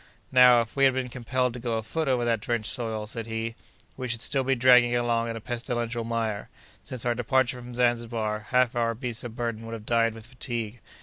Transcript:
"Now, if we had been compelled to go afoot over that drenched soil," said he, "we should still be dragging along in a pestilential mire. Since our departure from Zanzibar, half our beasts of burden would have died with fatigue.